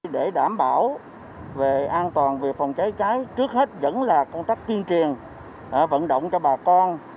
để đảm bảo về an toàn về phòng cháy cháy trước hết vẫn là công tác tuyên truyền vận động cho bà con